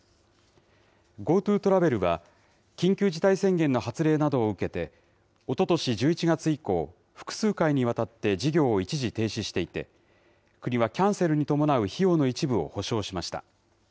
ＧｏＴｏトラベルは、緊急事態宣言の発令などを受けて、おととし１１月以降、複数回にわたって事業を一時停止していて、国はキャンセルに伴う費用の一部を補償しました。